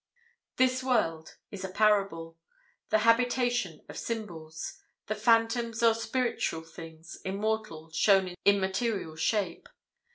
This world is a parable the habitation of symbols the phantoms of spiritual things immortal shown in material shape.